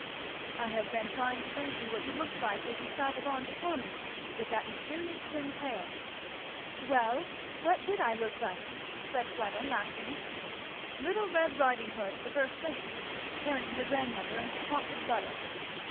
"I have been trying to fancy what you looked like as you travelled on before me with that mysterious tin pail." "Well what did I look like?" said Fleda laughing. "Little Red Riding Hood, the first thing, carrying her grandmother the pot of butter."